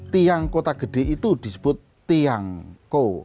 tiang kota gede itu disebut tiangko